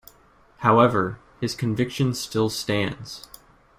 However, his conviction still stands.